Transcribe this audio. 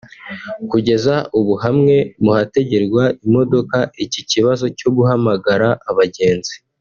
Kugeza ubu hamwe mu hategerwa imodoka iki kibazo cyo guhamagara abagenzi